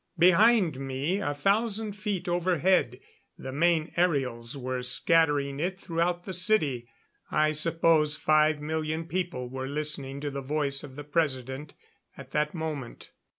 Behind me, a thousand feet overhead, the main aerials were scattering it throughout the city, I suppose five million people were listening to the voice of the President at that moment.